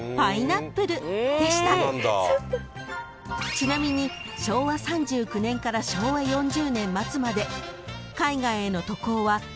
［ちなみに昭和３９年から昭和４０年末まで］